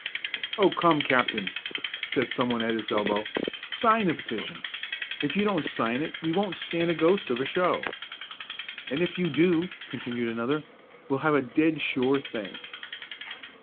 "Oh, come, captain!" said some one at his elbow, "sign the petition. If you don't sign it we won't stand a ghost of a show." "And if you do," continued another, "we'll have a dead sure thing."